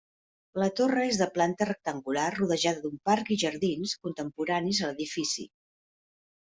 La torre és de planta rectangular rodejada d'un parc i jardins contemporanis a l'edifici.